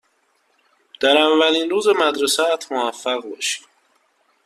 در اولین روز مدرسه ات موفق باشی.